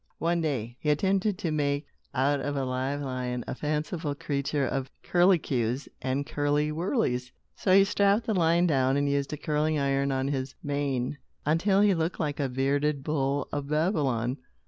One day, he attempted to make out of a live lion a fanciful creature of curlicues and curliewurlies. So he strapped the lion down, and used a curling iron on his mane until he looked like a bearded bull of Babylon.